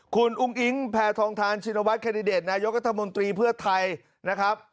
คุณอุ้งอิ๊งแพทองทานชินวัฒนแคนดิเดตนายกัธมนตรีเพื่อไทยนะครับ